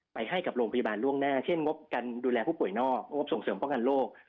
ไปให้กับโรงพยาบาลล่วงหน้าเช่นงบการดูแลผู้ป่วยนอกงบส่งเสริมป้องกันโรค